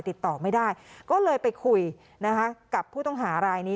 ติดต่อไม่ได้ก็เลยไปคุยนะคะกับผู้ต้องหารายนี้